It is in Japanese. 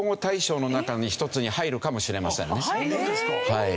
はい。